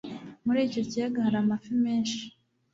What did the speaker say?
muri icyo kiyaga hari amafi menshi